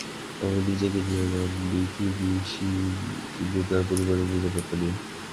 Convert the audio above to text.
তবে নিজেকে নিয়ে নন, বীথি বেশি চিন্তিত তাঁর পরিবারের নিরাপত্তা নিয়ে।